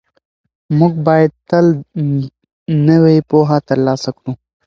موږ باید تل نوې پوهه ترلاسه کړو.